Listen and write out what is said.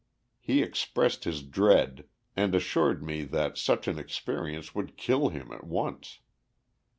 He expressed his dread, and assured me that such an experience would kill him at once.